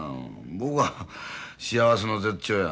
僕は幸せの絶頂や。